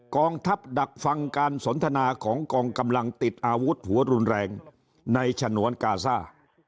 กองทัพดักฟังการสนทนาของกองกำลังติดอาวุธหัวรุนแรงในฉนวนกาซ่า